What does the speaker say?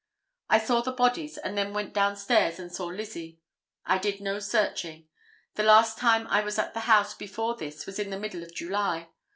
I saw the bodies and then went down stairs and saw Lizzie. I did no searching. The last time I was at the house before this was in the middle of July.